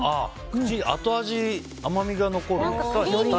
後味に甘みが残る。